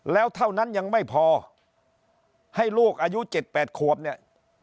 แล้วเท่านั้นยังไม่พอให้ลูกอายุเจ็ดแปดโคบเนี้ย